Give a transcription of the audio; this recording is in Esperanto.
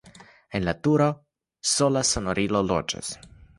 En la turo sola sonorilo loĝas.